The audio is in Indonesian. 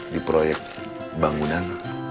di proyek bangunan